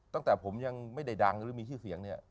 ตั้งแต่ผมยังไม่ได้ดังหรือมีชื่อเสียงเนี่ย